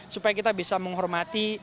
supaya kita bisa menghormati